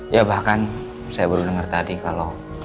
ya bahkan saya baru dengar tadi kalau